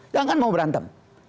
jangan mau berantem